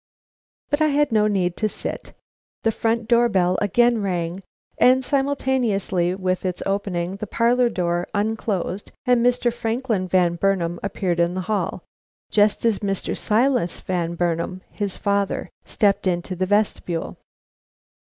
But I had no need to sit. The front door bell again rang, and simultaneously with its opening, the parlor door unclosed and Mr. Franklin Van Burnam appeared in the hall, just as Mr. Silas Van Burnam, his father, stepped into the vestibule.